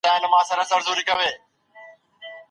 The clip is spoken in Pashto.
په راتلونکي کي به سياسي پوهه لا زياته پراختيا ومومي.